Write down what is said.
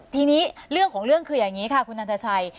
ทีนี้เรื่องของเรื่องคืออย่างนี้ค่ะคุณนันทชัย